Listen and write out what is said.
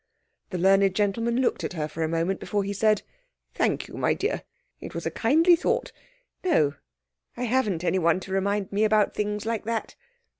The learned gentleman looked at her for a moment before he said— "Thank you, my dear. It was a kindly thought. No, I haven't anyone to remind me about things like that."